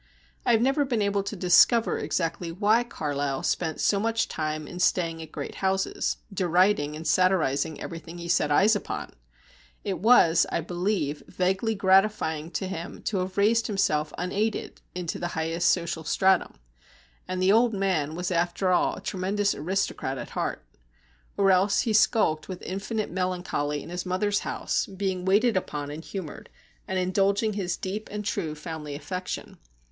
I have never been able to discover exactly why Carlyle spent so much time in staying at great houses, deriding and satirising everything he set eyes upon; it was, I believe, vaguely gratifying to him to have raised himself unaided into the highest social stratum; and the old man was after all a tremendous aristocrat at heart. Or else he skulked with infinite melancholy in his mother's house, being waited upon and humoured, and indulging his deep and true family affection.